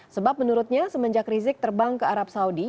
sebab menurutnya semenjak rizik terbang ke arab saudi